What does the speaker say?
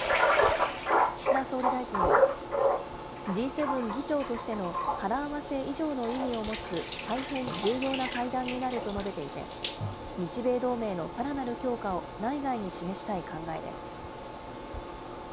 岸田総理大臣は、Ｇ７議長としての腹合わせ以上の意味を持つ大変重要な会談になると述べていて、日米同盟のさらなる強化を内外に示したい考えです。